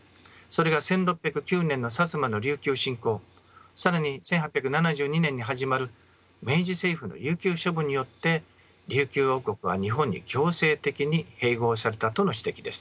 それが１６０９年の薩摩の琉球侵攻更に１８７２年に始まる明治政府の琉球処分によって琉球王国は日本に強制的に併合されたとの指摘です。